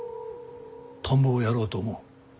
田んぼをやろうと思う。